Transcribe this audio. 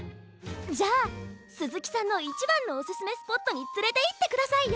じゃあすずきさんのいちばんのおすすめスポットにつれていってくださいよ！